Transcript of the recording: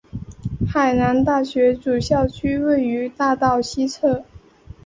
海南大学主校区位于大道西侧。